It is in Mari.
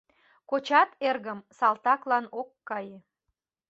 Кочат, эргым, салтаклан ок кае.